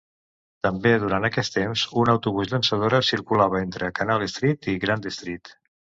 També durant aquest temps, un autobús llançadora circulava entre Canal Street i Grand Street.